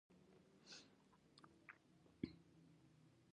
ما ورته وویل: کاشکي مو د مجرمینو په څېر ژوند نه کولای.